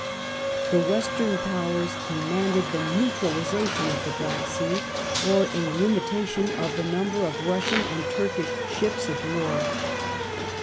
The Western Powers demanded the neutral isation of the Black Sea, or a limitation of the cumber of Bussian and Turkish ships of war.